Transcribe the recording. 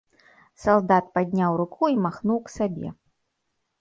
Салдат падняў руку і махнуў к сабе.